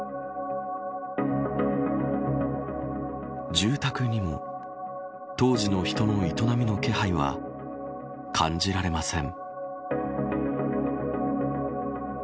住宅にも当時の人の営みの気配は感じられません。